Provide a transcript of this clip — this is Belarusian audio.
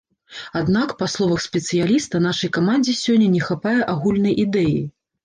Аднак, па словах спецыяліста, нашай камандзе сёння не хапае агульнай ідэі.